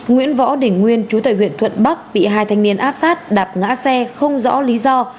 nguyễn võ đình nguyên chú tài huyện thuận bắc bị hai thanh niên áp sát đạp ngã xe không rõ lý do